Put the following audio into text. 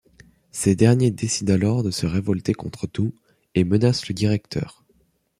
Ces derniers décident alors de se révolter contre tout, et menacent le directeur.